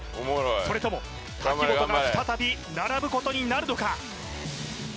それとも瀧本が再び並ぶことになるのか？